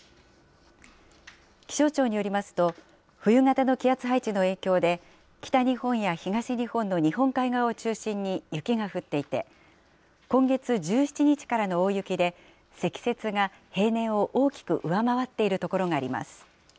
気象庁によりますと、冬型の気圧配置の影響で北日本や東日本の日本海側を中心に雪が降っていて、今月１７日からの大雪で、積雪が平年を大きく上回っている所があります。